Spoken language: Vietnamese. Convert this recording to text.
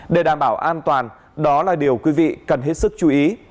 để đảm bảo an toàn đó là điều quý vị cần hết sức chú ý